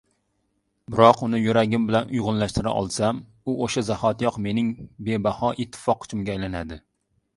Biroq uni yuragim bilan uygʻunlashtira olsam, u oʻsha zahotiyoq mening bebaho ittifoqchimga aylanadi.